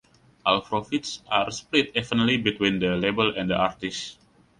All profits are split evenly between the label and the artist.